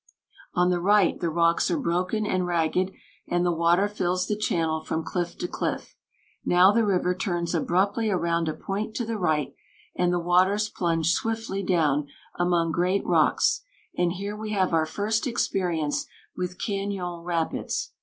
"On the right the rocks are broken and ragged, and the water fills the channel from cliff to cliff. Now the river turns abruptly around a point to the right, and the waters plunge swiftly down among great rocks; and here we have our first experience with cañon rapids.